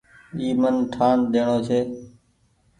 اي من ٺآن ڏيڻو ڇي۔